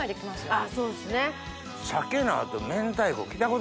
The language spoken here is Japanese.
あ！